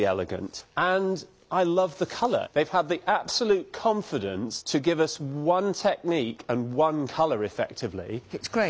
すごい。